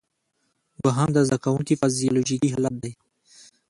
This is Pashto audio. دوهم د زده کوونکي فزیالوجیکي حالت دی.